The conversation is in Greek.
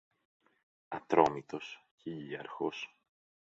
Ατρόμητος, χιλίαρχος